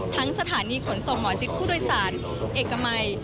สถานีขนส่งหมอชิดผู้โดยสารเอกมัย